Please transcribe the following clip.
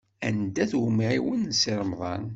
Anda-t umɛiwen n Si Remḍan?